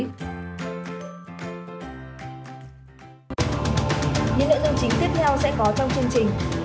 những lợi dụng chính tiếp theo sẽ có trong chương trình